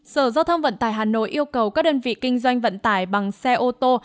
sở giao thông vận tải hà nội yêu cầu các đơn vị kinh doanh vận tải bằng xe ô tô